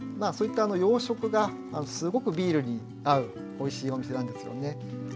そういった洋食がすごくビールに合うおいしいお店なんですよね。